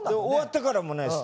終わってからもね